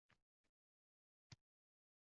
Sud raisi ruchkasini Madievga nish etdi.